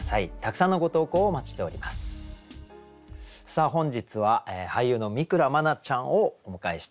さあ本日は俳優の三倉茉奈ちゃんをお迎えしております。